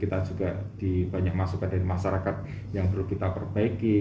kita juga dibanyak masukkan dari masyarakat yang perlu kita perbaiki